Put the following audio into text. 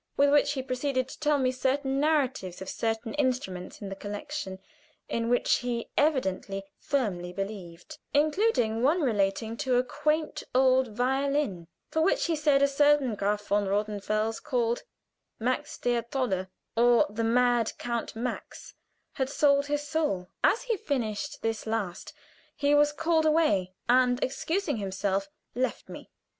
With which he proceeded to tell me certain narratives of certain instruments in the collection, in which he evidently firmly believed, including one relating to a quaint old violin for which he said a certain Graf von Rothenfels called "Max der Tolle," or the Mad Count Max, had sold his soul. As he finished this last he was called away, and excusing himself, left me.